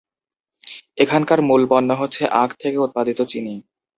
এখানকার মূল পণ্য হচ্ছে আখ থেকে উৎপাদিত চিনি।